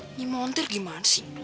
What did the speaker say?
ini montir gimana sih